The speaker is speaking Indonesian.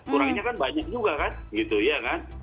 kurangnya kan banyak juga kan gitu ya kan